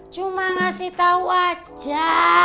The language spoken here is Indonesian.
cuma ngasih tau aja